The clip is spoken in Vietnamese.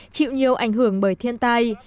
chịu nhiều ảnh hưởng bởi thiên tai